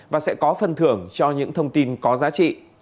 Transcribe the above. và sẽ có phần thưởng cho những thông tin có giá trị